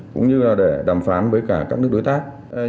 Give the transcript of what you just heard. cũng như là để đàm phán với cả các nước đối tác